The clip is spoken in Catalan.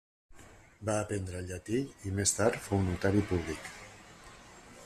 Va aprendre llatí i més tard fou notari públic.